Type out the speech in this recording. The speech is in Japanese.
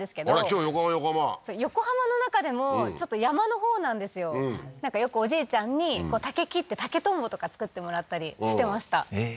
今日横浜横浜横浜の中でもちょっと山のほうなんですよなんかよくおじいちゃんに竹切って竹とんぼとか作ってもらったりしてましたえ